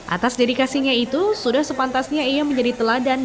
atas dedikasinya itu sudah sepantasnya ia menjadi teladan